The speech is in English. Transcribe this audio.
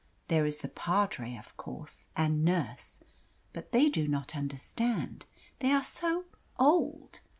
There is the padre, of course and nurse; but they do not understand. They are so OLD!